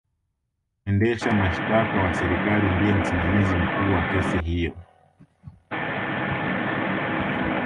mwendesha mashtaka wa serikali ndiye msimamizi mkuu wa kesi hizo